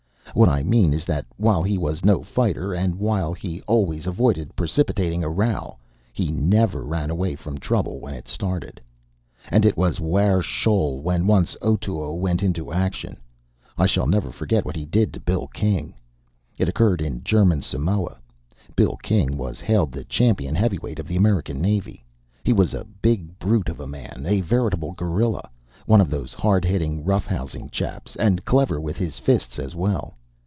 What I mean is that while he was no fighter, and while he always avoided precipitating a row, he never ran away from trouble when it started. And it was "Ware shoal!" when once Otoo went into action. I shall never forget what he did to Bill King. It occurred in German Samoa. Bill King was hailed the champion heavyweight of the American Navy. He was a big brute of a man, a veritable gorilla, one of those hard hitting, rough housing chaps, and clever with his fists as well.